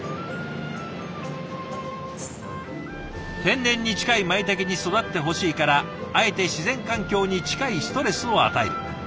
天然に近いまいたけに育ってほしいからあえて自然環境に近いストレスを与える。